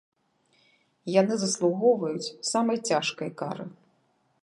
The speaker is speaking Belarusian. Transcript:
Яны заслугоўваюць самай цяжкай кары.